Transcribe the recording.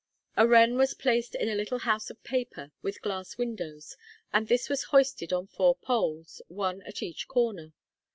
A wren was placed in a little house of paper, with glass windows, and this was hoisted on four poles, one at each corner.